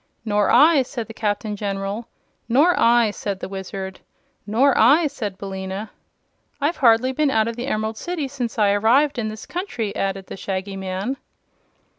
"Nor I," said the Captain General. "Nor I," said the Wizard. "Nor I," said Billina. "I've hardly been out of the Emerald City since I arrived in this country," added the Shaggy Man.